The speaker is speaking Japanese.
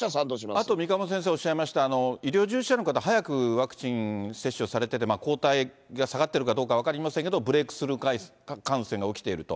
あと、三鴨先生おっしゃいました、医療従事者の方、早くワクチン接種をされてて、抗体が下がってるかどうか分かりませんけど、ブレークスルー感染が起きていると。